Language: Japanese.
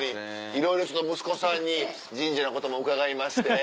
いろいろちょっと息子さんに神社のことも伺いまして。